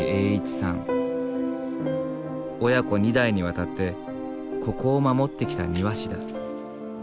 親子二代にわたってここを守ってきた庭師だ。